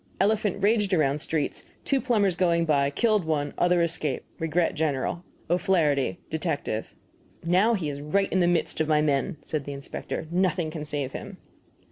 Elephant raged around streets; two plumbers going by, killed one other escaped. Regret general. O'FLAHERTY, Detective. "Now he is right in the midst of my men," said the inspector. "Nothing can save him."